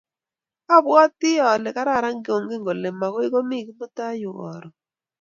Abwoti ale kararan kengen kole makoi komii Kimutai yu karon